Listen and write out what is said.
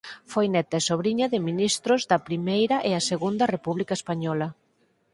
Foi neta e sobriña de ministros da primeira e a segunda república española.